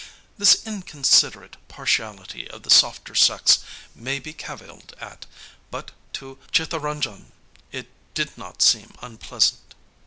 This inconsiderate partiality of the softer sex might be cavilled at, but to Chittaranjan it did not seem unpleasant.